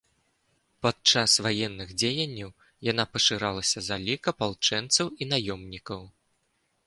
Падчас ваенных дзеянняў яна пашыралася за лік апалчэнцаў і наёмнікаў.